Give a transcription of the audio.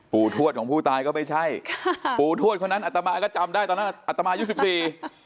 ทวดของผู้ตายก็ไม่ใช่ค่ะปู่ทวดคนนั้นอัตมาก็จำได้ตอนนั้นอัตมายุสิบสี่